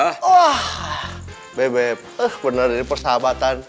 wah beb eh bener ini persahabatan